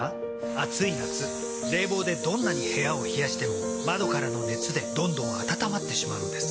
暑い夏冷房でどんなに部屋を冷やしても窓からの熱でどんどん暖まってしまうんです。